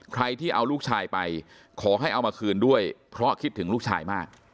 ใครที่เอาลูกชายไปขอให้เอามาคืนด้วยเพราะคิดถึงลูกชายมาก